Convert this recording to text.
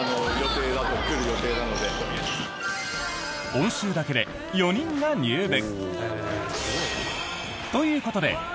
今週だけで４人が入部！